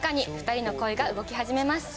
２人の恋が動き始めます。